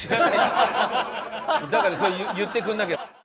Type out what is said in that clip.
だからそれ言ってくれなきゃ。